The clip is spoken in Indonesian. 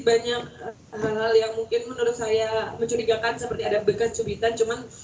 banyak hal hal yang mungkin menurut saya mencurigakan seperti ada bekas cubitan cuman